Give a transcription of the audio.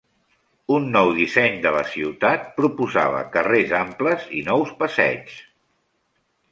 Un nou disseny de la ciutat proposava carrers amples i nous passeigs.